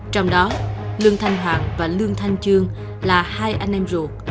trong đó lương thanh hoàng và lương thanh trương là hai anh em ruột